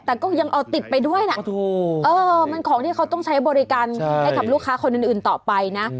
แต่ก็ยังเอาติดไปด้วยนะมันของที่เขาต้องใช้บริการให้กับลูกค้าคนอื่นต่อไปนะ